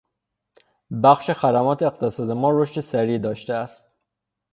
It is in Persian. بخش خدمات اقتصاد ما رشد سریعی داشته است.